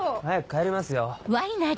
早く帰りますよ。